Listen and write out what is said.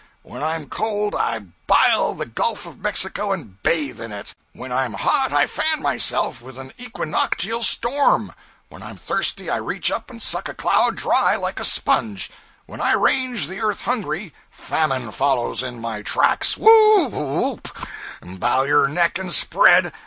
When I'm cold, I bile the Gulf of Mexico and bathe in it; when I'm hot I fan myself with an equinoctial storm; when I'm thirsty I reach up and suck a cloud dry like a sponge; when I range the earth hungry, famine follows in my tracks! Whoo oop! Bow your neck and spread!